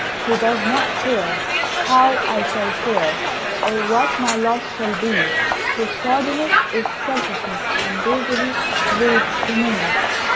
He does not care How I shall fare, Or what my loss shall be; His tardiness Is selfishness And basely rude to me.